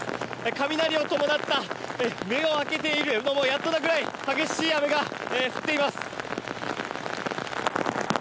雷を伴った、目を開けているのもやっとなくらい激しい雨が降っています。